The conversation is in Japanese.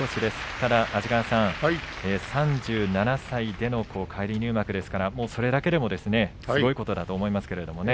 ただ安治川さん３７歳での返り入幕ですからそれだけでもすごいことだと思いますけれどもね。